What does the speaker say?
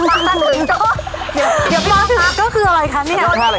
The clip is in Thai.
ก็คืออะไรคะนี้